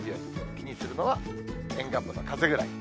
気にするのは沿岸部の風ぐらい。